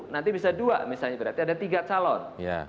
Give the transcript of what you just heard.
nanti bisa dua misalnya berarti ada tiga calon